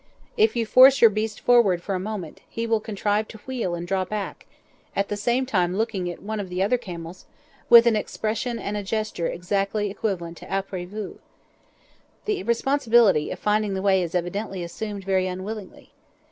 If you force your beast forward for a moment, he will contrive to wheel and draw back, at the same time looking at one of the other camels with an expression and gesture exactly equivalent to après vous. The responsibility of finding the way is evidently assumed very unwillingly.